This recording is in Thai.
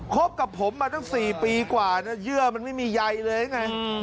คบกับผมมาตั้งสี่ปีกว่าเนี้ยเยื่อมันไม่มีใยเลยไงอืม